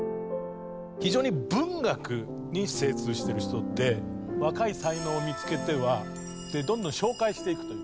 非常に文学に精通してる人で若い才能を見つけてはどんどん紹介していくという。